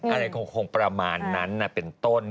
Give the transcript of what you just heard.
อะไรคงประมาณนั้นเป็นต้น